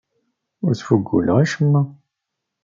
Ur sfuguleɣ acemma.